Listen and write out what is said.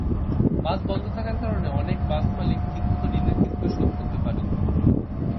বাস বন্ধ থাকার কারণে অনেক বাসমালিক ঠিকমতো ঋণের কিস্তিও শোধ করতে পারেননি।